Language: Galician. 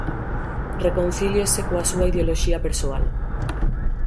Reconcíliese coa súa ideoloxía persoal.